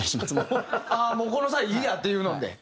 もうこの際いいやっていうので？